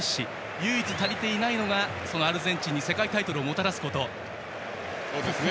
唯一、足りていないのがアルゼンチンに世界タイトルをもたらすこと。